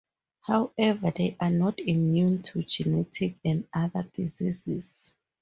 However they are not immune to genetic and other diseases.